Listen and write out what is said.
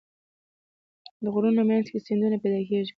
د غرونو منځ کې سیندونه پیدا کېږي.